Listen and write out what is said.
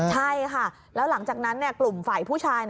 ใช่ค่ะแล้วหลังจากนั้นกลุ่มฝ่ายผู้ชาย